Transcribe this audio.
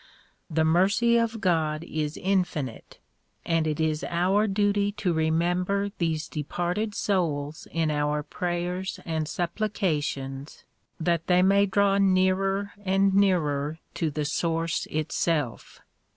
The mercy of God is in finite and it is our duty to remember these departed souls in our prayers and supplications that they may draw nearer and nearer to the Source Itself.